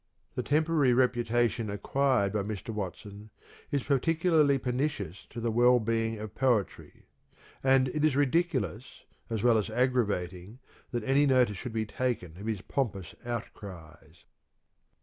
The temporary reputation acquired by Mr. Watson is particularly pernicious to the well being of Poetry ; and it is ridiculous as well as aggra vating that any notice should be taken of his pompous outcries.